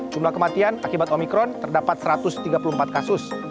jumlah kematian akibat omikron terdapat satu ratus tiga puluh empat kasus